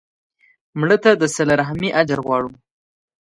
مړه ته د صله رحمي اجر غواړو